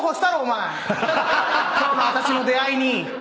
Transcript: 今日の私の出会いに。